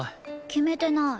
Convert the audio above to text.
決めてない。